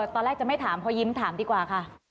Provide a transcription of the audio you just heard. ตอนแรกจะไม่ถามพอยิ้มถามดีกว่าค่ะ